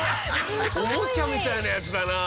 おもちゃみたいなヤツだな！